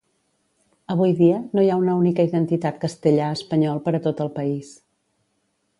Avui dia, no hi ha una única identitat castellà-espanyol per a tot el país.